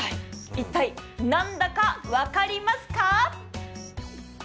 一体何だか分かりますか？